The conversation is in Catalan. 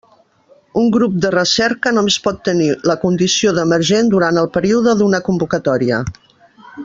Un grup de recerca només pot tenir la condició d'emergent durant el període d'una convocatòria.